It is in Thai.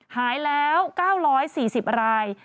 หายแล้ว๙๔๐ราย